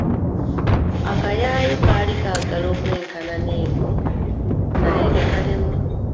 Akayaayu kaali kaagala okwenkana n’engo naye ne kalemwa.